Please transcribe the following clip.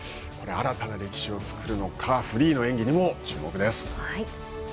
新たな歴史をつくるのかフリーの演技にも注目です。